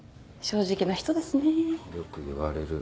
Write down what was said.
よく言われる。